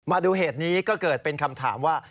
มาดูเหตุนี้ก็เกิดเป็นคำถามว่า